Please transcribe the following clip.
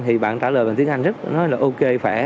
thì bạn trả lời bằng tiếng anh rất là ok